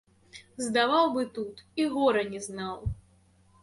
Здаваў бы тут і гора не знаў.